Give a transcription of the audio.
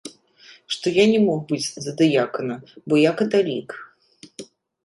Што я не мог быць за дыякана, бо я каталік.